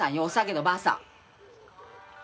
「おさげのばあさん」。